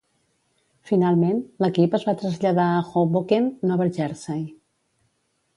Finalment, l'equip es va traslladar a Hoboken, Nova Jersey.